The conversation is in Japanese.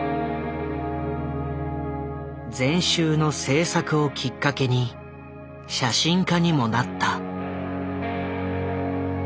全集の制作をきっかけに写真家にもなった。